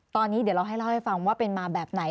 ตอนนี้เดี๋ยวเราให้เล่าให้ฟังว่าเป็นมาแบบไหน